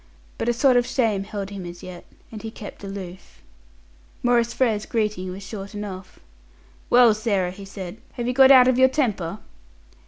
But a sort of shame held him as yet, and he kept aloof. Maurice Frere's greeting was short enough. "Well, Sarah," he said, "have you got out of your temper?"